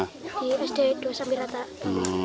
di sd dua sambirata